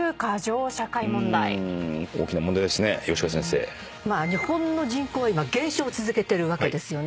大きな問題ですね吉川先生。日本の人口は今減少を続けてるわけですよね。